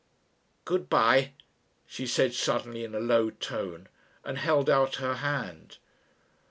"Good bye," she said suddenly in a low tone and held out her hand.